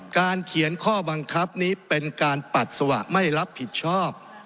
เขียนข้อบังคับนี้เป็นการปัสสาวะไม่รับผิดชอบ